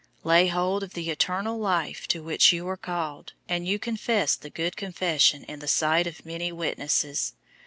Lay hold of the eternal life to which you were called, and you confessed the good confession in the sight of many witnesses.